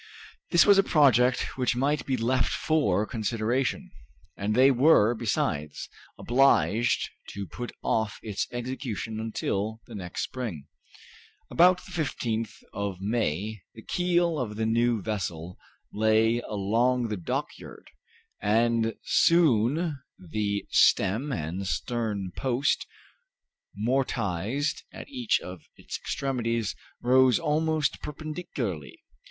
This was a project which might be left for consideration, and they were, besides, obliged to put off its execution until the next spring. About the 15th of May the keel of the new vessel lay along the dockyard, and soon the stem and stern post, mortised at each of its extremities, rose almost perpendicularly.